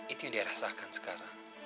itu yang dia rasakan sekarang